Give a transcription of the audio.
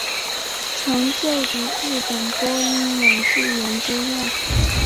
曾就读日本播音演技研究所。